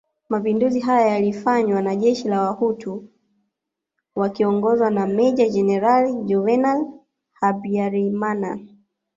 Mapinduzi haya yalifanywa na jeshi la Wahutu wakiongozwa na Meja Jenerali Juvenal Habyarimana